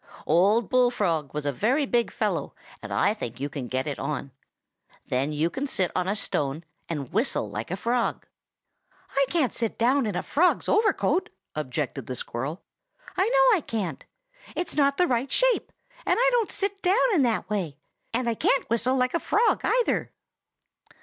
Old Bullfrog was a very big fellow, and I think you can get it on. Then you can sit on a stone and whistle like a frog." "I can't sit down in a frog's overcoat!" objected the squirrel. "I know I can't. It's not the right shape, and I don't sit down in that way. And I can't whistle like a frog either."